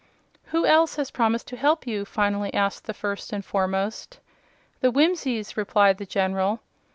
"Who else has promised to help you?" finally asked the First and Foremost. "The Whimsies," replied the General.